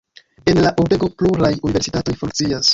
En la urbego pluraj universitatoj funkcias.